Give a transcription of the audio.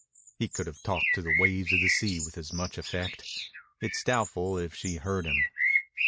He could have talked to the waves of the sea with as much effect. It is doubtful if she heard him.